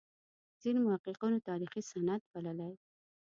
ځینو محققینو تاریخي سند بللی.